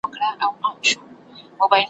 تر ابده چي پاییږي دا بې ساري بې مثال دی ,